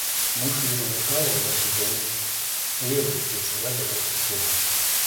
Муж Лизы Меркаловой носит за ней пледы и всегда готов к услугам.